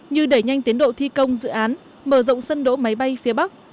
như đẩy nhanh tiến độ thi công dự án mở rộng sân đỗ máy bay phía bắc